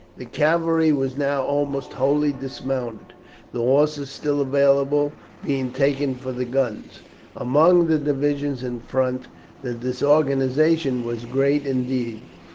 The cavalry were now almost wholly dismounted, the horses still available being taken for the guns. Among the divisions in front the disorganization was great indeed.